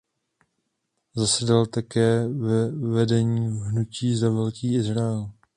Zasedal také ve vedení Hnutí za Velký Izrael.